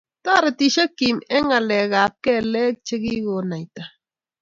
toretishei Kim eng ngalekab keleek chegigonaita